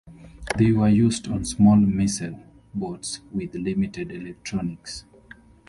They were used on small missile boats with limited electronics.